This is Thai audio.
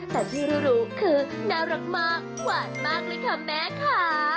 แต่ที่รู้คือน่ารักมากหวานมากเลยค่ะแม่ค่ะ